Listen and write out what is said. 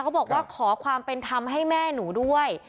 เขาบอกว่าขอความเป็นธรรมให้แม่หนูด้วย